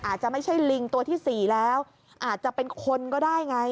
อาจจะไม่ใช่ลิงตัวที่สี่แล้วอาจจะเป็นคนก็ได้ไง